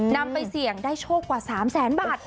นำไปเสี่ยงได้โชคกว่า๓แสนบาท